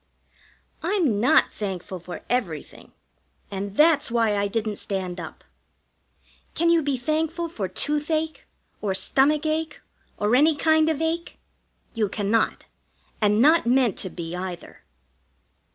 I'm not thankful for everything, and that's why I didn't stand up. Can you be thankful for toothache, or stomachache, or any kind of ache? You cannot. And not meant to be, either.